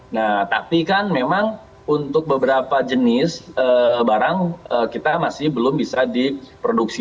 nah tapi kan memang untuk beberapa jenis barang kita masih belum bisa diproduksi